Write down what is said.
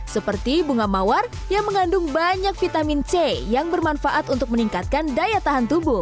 seperti bunga mawar yang mengandung banyak vitamin c yang bermanfaat untuk meningkatkan daya tahan tubuh